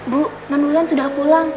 bu nandulan sudah pulang